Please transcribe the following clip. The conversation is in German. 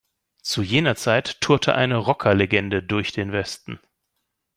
Zu jener Zeit tourte eine Rockerlegende durch den Westen.